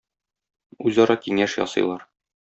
Үзара киңәш ясыйлар.